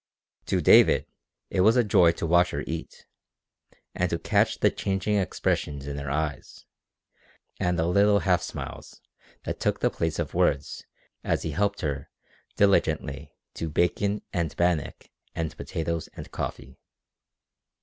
To David it was a joy to watch her eat, and to catch the changing expressions in her eyes, and the little half smiles that took the place of words as he helped her diligently to bacon and bannock and potatoes and coffee.